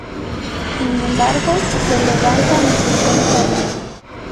Sin embargo, se levanta y se encuentra bien.